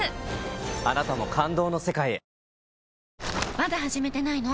まだ始めてないの？